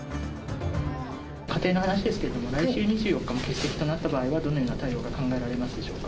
仮定の話ですけれども、来週２４日も欠席となった場合は、どのような対応が考えられますでしょうか。